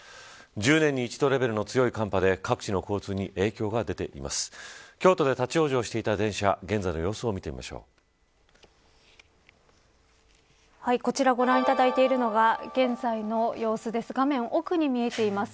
１０年に一度レベルの強い寒波で各地の交通に影響が出ています。